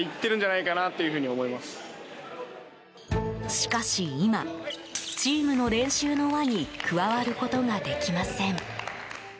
しかし今、チームの練習の輪に加わることができません。